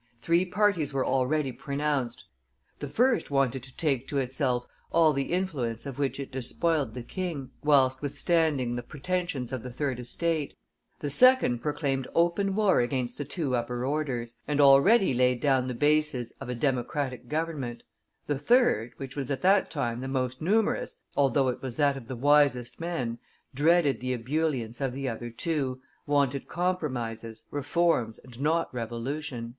Three parties were already pronounced: the first wanted to take to itself all the influence of which it despoiled the king, whilst withstanding the pretensions of the third estate; the second proclaimed open war against the two upper orders, and already laid down the bases of a democratic government; the third, which was at that time the most numerous, although it was that of the wisest men, dreaded the ebullience of the other two, wanted compromises, reforms, and not revolution."